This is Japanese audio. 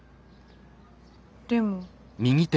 でも。